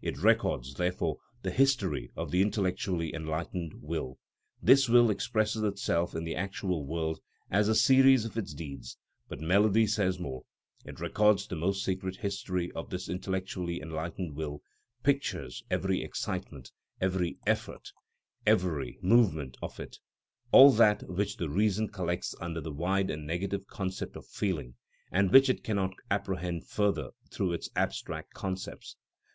It records, therefore, the history of the intellectually enlightened will. This will expresses itself in the actual world as the series of its deeds; but melody says more, it records the most secret history of this intellectually enlightened will, pictures every excitement, every effort, every movement of it, all that which the reason collects under the wide and negative concept of feeling, and which it cannot apprehend further through its abstract concepts.